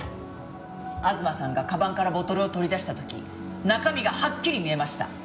東さんが鞄からボトルを取り出した時中身がはっきり見えました。